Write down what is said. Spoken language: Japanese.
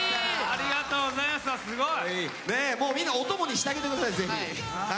みんなお供にしてあげてください。